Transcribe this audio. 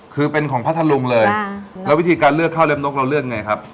คือเป็นของพัทธรุงเลยแล้ววิธีการเลือกข้าวเล็บนกเราเลือกไงครับ